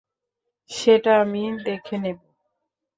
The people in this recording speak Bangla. সেটা আমি দেখে নিব।